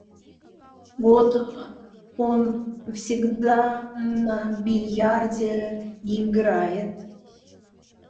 Вот он всегда на бильярде играет.